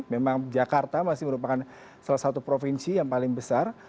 memang jakarta masih merupakan salah satu provinsi yang paling besar